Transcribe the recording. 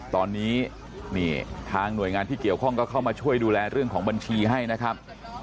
ตอนนี้นี่ทางหน่วยงานที่เกี่ยวข้องก็เข้ามาช่วยดูแลเรื่องของบัญชีให้นะครับ